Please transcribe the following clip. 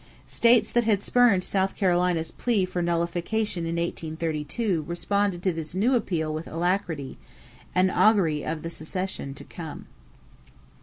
States that had spurned South Carolina's plea for nullification in 1832 responded to this new appeal with alacrity an augury of the secession to come.